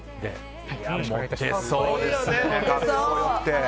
モテそうですね。